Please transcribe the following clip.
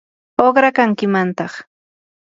uqrakankimantaq.